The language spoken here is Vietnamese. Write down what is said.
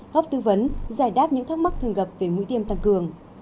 góp tư vấn giải đáp những thắc mắc thường gặp về mũi tiêm tăng cường